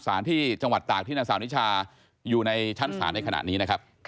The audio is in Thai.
สารที่จังหวัดตากที่นางสาวนิชาอยู่ในชั้นศาลในขณะนี้นะครับ